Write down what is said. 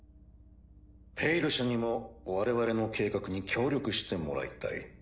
「ペイル社」にも我々の計画に協力してもらいたい。